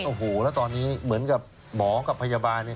โอ้โหแล้วตอนนี้เหมือนกับหมอกับพยาบาลเนี่ย